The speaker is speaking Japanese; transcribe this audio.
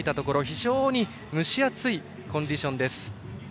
非常に蒸し暑いコンディションです。